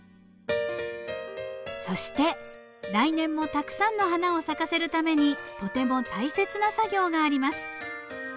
そして来年もたくさんの花を咲かせるためにとても大切な作業があります。